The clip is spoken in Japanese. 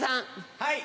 はい。